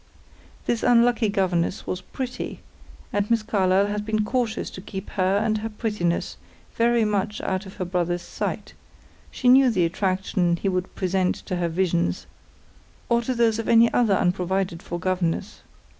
This unlucky governess was pretty, and Miss Carlyle had been cautious to keep her and her prettiness very much out of her brother's sight; she knew the attraction he would present to her visions, or to those of any other unprovided for governess.